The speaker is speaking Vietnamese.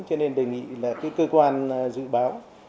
cho nên đề nghị là cơ quan dự báo